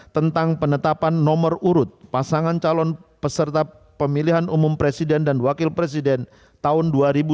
tentang penetapan nomor urut pasangan calon peserta pemilihan umum presiden dan wakil presiden tahun dua ribu sembilan belas